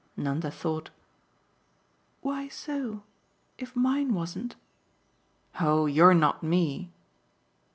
Nanda thought. "Why so if mine wasn't?" "Oh you're not me!"